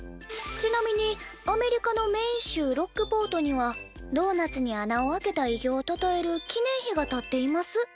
ちなみにアメリカのメイン州ロックポートにはドーナツに穴を開けた偉業をたたえる記念碑が立っています」